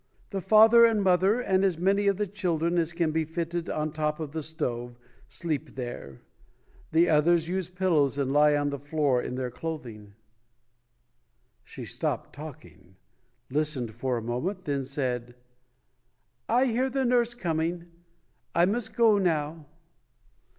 The father and mother and as many of the chil dren as can be fitted on top of the stove, sleep there. The others use pillows and lie on the floor in their clothing". She stopped talking, listened for a moment, then said, "I hear the nurse coming. I must go now".